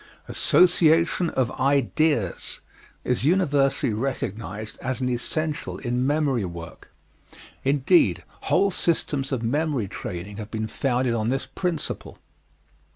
Association of ideas is universally recognized as an essential in memory work; indeed, whole systems of memory training have been founded on this principle.